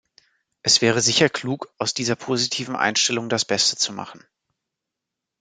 Es wäre sicher klug, aus dieser positiven Einstellung das Beste zu machen.